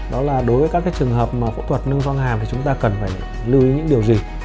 đó là đối với các trường hợp mà phẫu thuật nâng cao hàm thì chúng ta cần phải lưu ý những điều gì